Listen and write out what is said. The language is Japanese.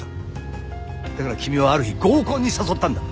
だから君をある日合コンに誘ったんだ。